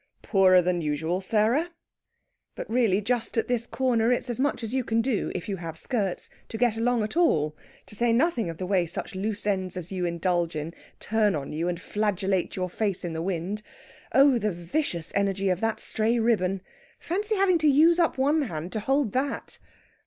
"Poorer than usual, Sarah?" But really just at this corner it's as much as you can do, if you have skirts, to get along at all; to say nothing of the way such loose ends as you indulge in turn on you and flagellate your face in the wind. Oh, the vicious energy of that stray ribbon! Fancy having to use up one hand to hold that!